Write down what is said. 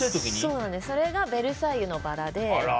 それが「ベルサイユのばら」で。